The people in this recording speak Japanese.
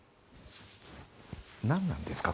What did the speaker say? なんなんですか？